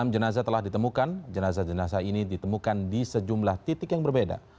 enam jenazah telah ditemukan jenazah jenazah ini ditemukan di sejumlah titik yang berbeda